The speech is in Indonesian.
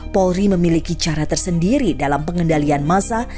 polri memiliki cara tersendiri dalam pengendalian massa